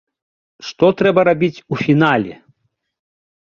Што трэба рабіць у фінале?